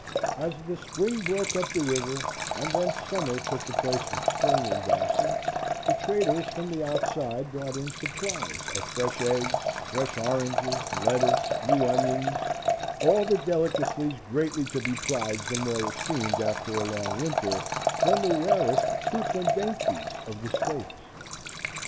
As the spring broke up the river and then summer took the place of spring in Dawson, the traders from the outside brought in supplies of fresh eggs, fresh oranges, lettuce, new onions all the delicacies greatly to be prized and more esteemed after a long winter than the rarest fruits and dainties of the States.